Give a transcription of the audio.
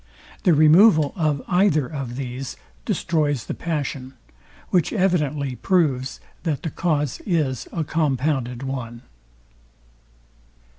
The removal of either of these destroys the passion; which evidently proves that the cause Is a compounded one.